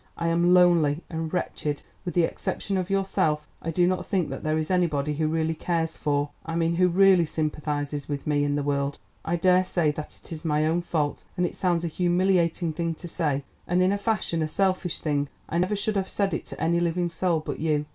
I am lonely and wretched. With the exception of yourself, I do not think that there is anybody who really cares for—I mean who really sympathises with me in the world. I daresay that it is my own fault and it sounds a humiliating thing to say, and, in a fashion, a selfish thing. I never should have said it to any living soul but you.